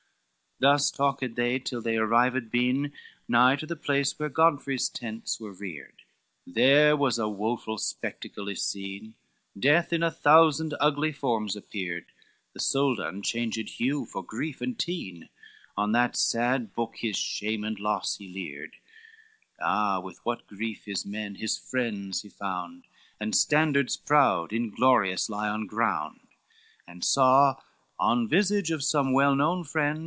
XXV Thus talked they, till they arrived been Nigh to the place where Godfrey's tents were reared, There was a woful spectacle yseen, Death in a thousand ugly forms appeared, The Soldan changed hue for grief and teen, On that sad book his shame and loss he lead, Ah, with what grief his men, his friends he found; And standards proud, inglorious lie on ground! XXVI And saw one visage of some well known friend.